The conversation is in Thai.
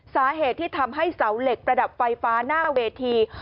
สาเหตุที่ทำให้เสาเหล็กประดับไฟฟ้าหน้าเวที